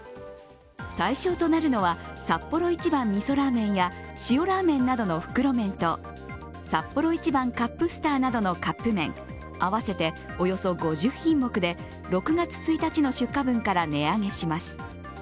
対象となるのはサッポロ一番みそラーメンや塩らーめんなどの袋麺とサッポロ一番カップスターなどのカップ麺、合わせておよそ５０品目で６月１日分の出荷分から値上げします。